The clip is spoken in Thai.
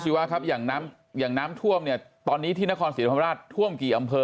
สิวะครับอย่างน้ำท่วมตอนนี้ที่นครศรีธรรมราชท่วมกี่อำเภอ